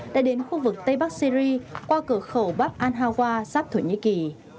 đã đến khu vực tây bắc syri qua cửa khẩu bắp anh hà hoa sắp thổ nhĩ kỳ